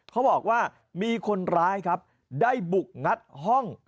เขาบอกว่ามีคนร้ายครับได้บุกงัดห้อง